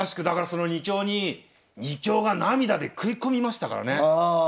だからその２強に２強が涙で食い込みましたからね。